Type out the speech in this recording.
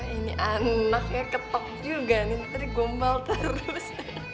ini anaknya ketok juga nih tadi gombal terus